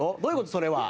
それは。